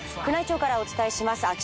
宮内庁からお伝えします。